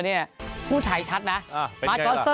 ทีมชาตาซูซู